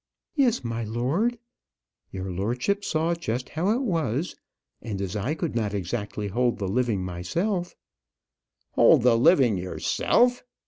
"Yes, my lord. Your lordship saw just how it was; and, as I could not exactly hold the living myself " "Hold the living yourself!